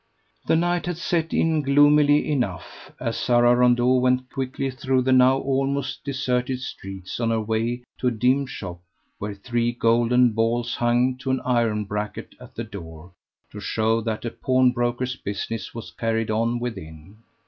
The night had set in gloomily enough, as Sara Rondeau went quickly through the now almost deserted streets on her way to a dim shop, where three golden balls hung to an iron bracket at the door, to show that a pawnbroker's business was carried on within.